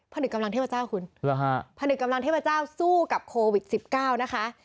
ผนึกกำลังเทพเจ้าคุณหรอฮะผนึกกำลังเทพเจ้าสู้กับโควิดสิบเก้านะคะ